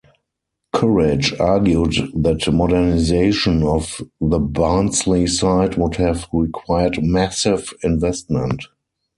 Courage argued that modernization of the Barnsley site would have required "massive" investment.